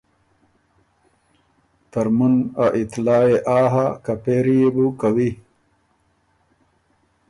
ترمن ا اطلاع يې آ هۀ که پېری يې بو کوی۔